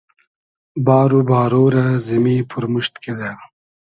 بار و بارۉ رۂ زیمی پورموشت کیدۂ